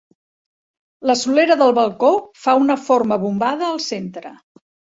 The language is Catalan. La solera del balcó fa una forma bombada al centre.